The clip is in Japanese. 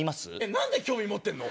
何で興味持ってんの？